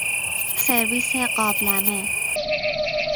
سرویس قابلمه